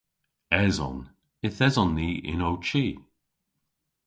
Eson. Yth eson ni yn ow chi.